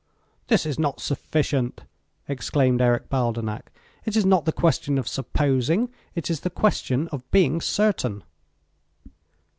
This is not sufficient," exclaimed Eric Baldenak. "It is not the question of supposing, it is the question of being certain."